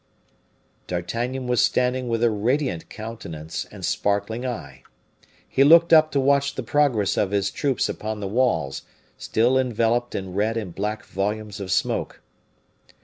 D'Artagnan was standing with a radiant countenance and sparkling eye. He looked up to watch the progress of his troops upon the walls, still enveloped in red and black volumes of smoke.